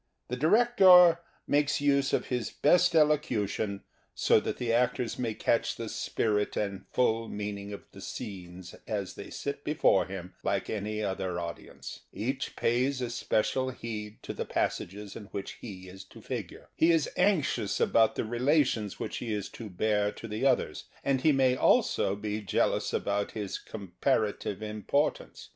The director makes use of his best elocution, 146 The Theatre and Its People so that the actors may catch the spirit and full meaning of the scenes as they sit before him like any other audience. Each pays especial heed to the passages in which he is to figure. He is anxious about the relations which he is to bear to the others, and he may also be jealous about his comparative importance.